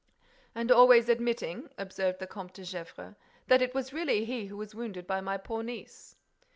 "And always admitting," observed the Comte de Gesvres, "that it was really he who was wounded by my poor niece."